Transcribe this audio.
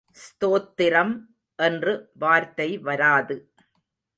ஸ்தோத்திரம் என்று வார்த்தை வராது.